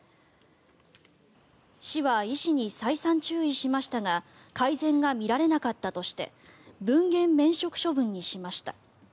市は、医師に再三注意しましたが改善が見られなかったとして分限免職処分にしました。